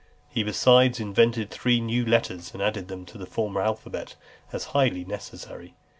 He besides invented three new letters, and added them to the former alphabet , as highly necessary.